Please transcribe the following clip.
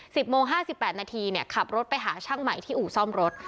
โมงห้าสิบแปดนาทีเนี่ยขับรถไปหาช่างใหม่ที่อู่ซ่อมรถ